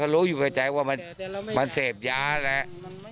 เขารู้อยู่ใกล้ใจว่ามันเสพยาแหละ